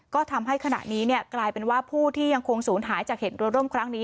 ก็ทำให้ขณะนี้กลายเป็นว่าผู้ที่ยังคงศูนย์หายจากเหตุเรือร่มครั้งนี้